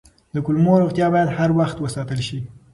د کولمو روغتیا باید هر وخت وساتل شي.